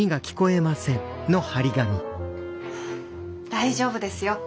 大丈夫ですよ。